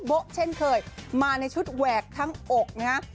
โบ๊ะเช่นเคยมาในชุดแหวกทั้งอกนะฮะ